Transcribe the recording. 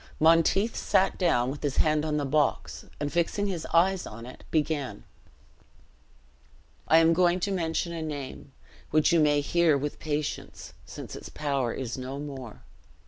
Monteith sat down with his hand on the box, and fixing his eyes on it, began: "I am going to mention a name, which you may hear with patience, since its power is no more.